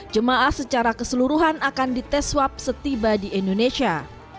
jemaah secara keseluruhan akan dites swab setiba di indonesia